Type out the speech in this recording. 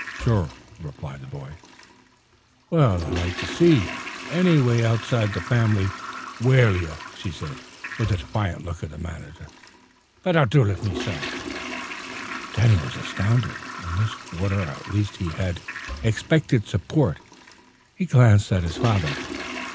"Sure," replied the boy. "Well, I'd like to see anny wan outside the fam'ly whale ye," she said, with a defiant look at the manager, "but I'll do it mesilf." Danny was astounded. In this quarter at least he had expected support. He glanced at his father.